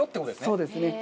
そうですね。